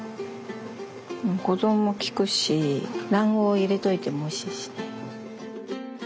保存もきくし卵黄入れといてもおいしいしね。